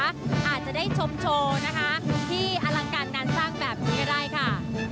อาจจะได้ชมโชว์นะคะที่อลังการงานสร้างแบบนี้ก็ได้ค่ะ